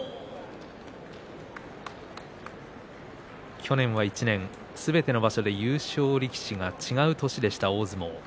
去年は１年、すべての場所で優勝力士が違う年でした大相撲。